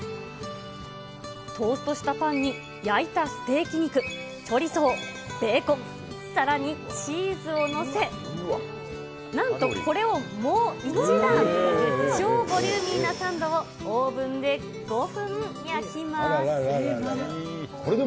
トーストしたパンに焼いたステーキ肉、チョリソー、ベーコン、さらにチーズを載せ、なんとこれをもう１段、超ボリューミーなサンドをオーブンで５分焼きます。